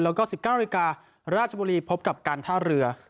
แล้วก็สิบเก้านาทีราชบุรีพบกับการท่าเรือ